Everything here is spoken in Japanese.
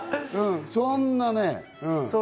そんなね。